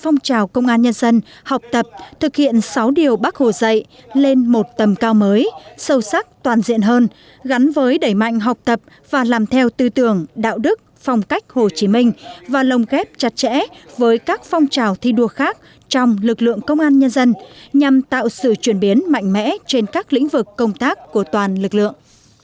phong trào công an nhân dân học tập thực hiện sáu điều bác hồ dạy lên một tầm cao mới sâu sắc toàn diện hơn gắn với đẩy mạnh học tập và làm theo tư tưởng đạo đức phong cách hồ chí minh và lồng ghép chặt chẽ với các phong trào thi đua khác trong lực lượng công an nhân dân nhằm tạo sự chuyển biến mạnh mẽ trên các lĩnh vực công tác của toàn lực lượng